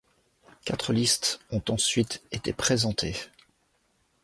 Quatre listes ont ensuite été présentées.